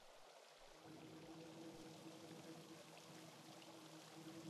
অতঃপর উভয়ে চলতে লাগলেন এবং তাঁরা একটি পতনোন্মুখ প্রাচীর দেখতে পেলেন।